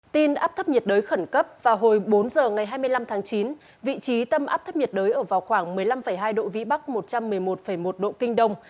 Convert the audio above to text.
tin áp thấp nhiệt đới khẩn cấp vào hồi bốn h ngày hai mươi năm tháng chín vị trí tâm áp thấp nhiệt đới ở vào khoảng một mươi năm hai độ vĩ bắc một trăm một mươi một một độ kinh đông